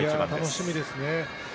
楽しみですね